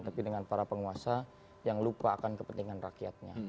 tapi dengan para penguasa yang lupa akan kepentingan rakyatnya